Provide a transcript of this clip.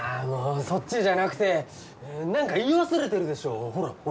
もうそっちじゃなくて何か言い忘れてるでしょうほら